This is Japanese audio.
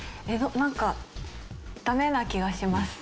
なんかダメな気がします。